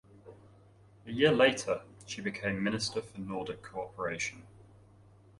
A year later, she became Minister for Nordic Cooperation.